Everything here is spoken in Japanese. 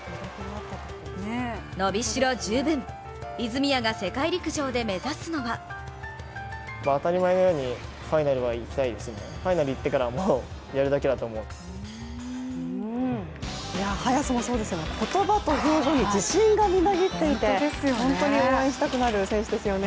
伸びしろ十分、泉谷が世界陸上で目指すのは早さもそうですが、言葉と表情に自信がみなぎっていて本当に応援したくなる選手ですよね。